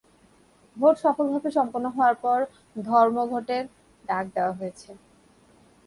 Vote সফলভাবে সম্পন্ন হওয়ার পর ধর্মঘটের ডাক দেওয়া হয়েছে।